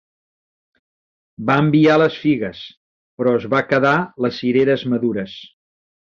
Va enviar les figues, però es va quedar les cireres madures.